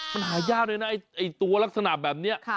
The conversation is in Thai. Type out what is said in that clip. มันหายากเลยนะไอ้ตัวลักษณะแบบนี้